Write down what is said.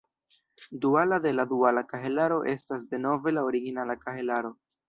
Duala de la duala kahelaro estas denove la originala kahelaro.